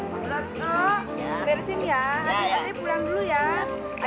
pulang pulangnya kesana ya pulangnya ya